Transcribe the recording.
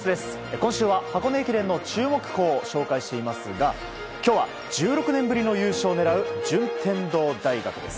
今週は箱根駅伝の注目校を紹介していますが今日は１６年ぶりの優勝を狙う順天堂大学です。